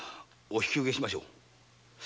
お引き受けしましょう。